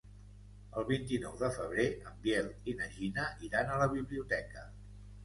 El vint-i-nou de febrer en Biel i na Gina iran a la biblioteca.